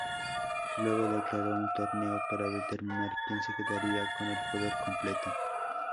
Luego declaró un torneo para determinar quien se quedaría con el poder completo.